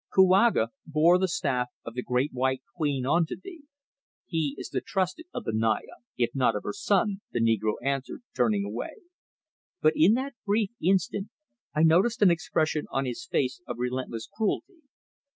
"Kouaga bore the staff of the Great White Queen unto thee. He is the trusted of the Naya, if not of her son," the negro answered, turning away. But in that brief instant I noticed an expression on his face of relentless cruelty.